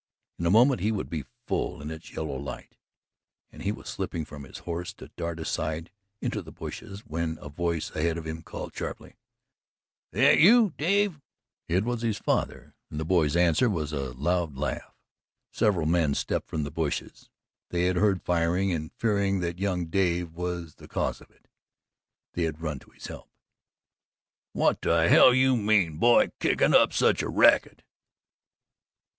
In a moment he would be full in its yellow light, and he was slipping from his horse to dart aside into the bushes, when a voice ahead of him called sharply: "That you, Dave?" It was his father, and the boy's answer was a loud laugh. Several men stepped from the bushes they had heard firing and, fearing that young Dave was the cause of it, they had run to his help. "What the hell you mean, boy, kickin' up such a racket?"